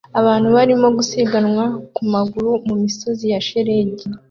Abantu barimo gusiganwa ku maguru mu misozi ya shelegi